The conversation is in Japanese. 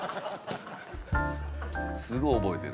すごい覚えてるんです。